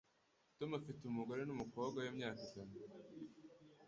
Tom afite umugore numukobwa wimyaka itatu.